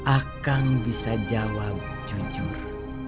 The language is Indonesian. akan bisa jawab jujur